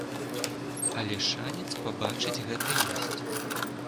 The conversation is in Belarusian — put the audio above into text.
Але шанец пабачыць гэта ёсць.